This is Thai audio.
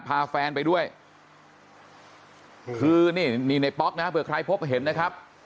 พาแฟนไปด้วยคือนี่นี่ในป๊อกนะเผื่อใครพบเห็นนะครับ